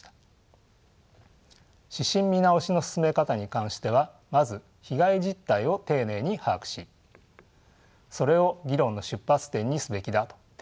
指針見直しの進め方に関してはまず被害実態を丁寧に把握しそれを議論の出発点にすべきだと提言しました。